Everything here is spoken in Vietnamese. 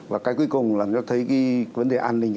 và cái cuối cùng là nó thấy cái vấn đề an ninh